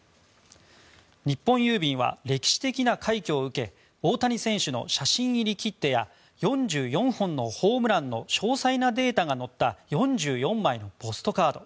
日本郵便は歴史的な快挙を受け大谷選手の写真入り切手や４４本のホームランの詳細なデータが載った４４枚のポストカード。